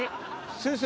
先生